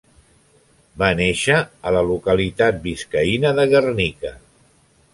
Va néixer a la localitat biscaïna de Guernica.